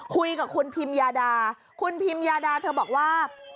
คุยกับคุณพิมยาดาคุณพิมยาดาเธอบอกว่า